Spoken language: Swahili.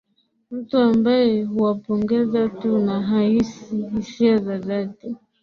mtu ambaye huwapongeza tu na hahisi hisia za dhati